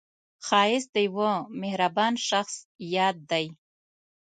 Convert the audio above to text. ښایست د یوه مهربان شخص یاد دی